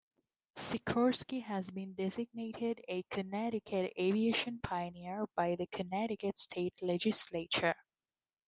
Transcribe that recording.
Sikorsky has been designated a Connecticut Aviation Pioneer by the Connecticut State Legislature.